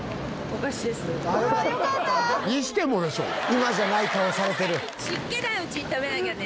今じゃない顔されてる。